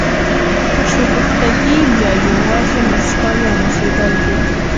شګفتګي بیا یوازې مسکا یا موسېدل دي.